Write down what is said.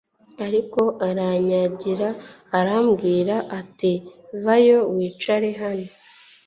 ariko aranyangira arambwira ati vayo wicare hano